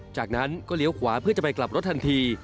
จากนั้นก็เลี้ยวขวาเพื่อจะไปกลับรถทันที